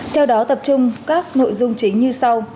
theo đó tập trung các nội dung chính như sau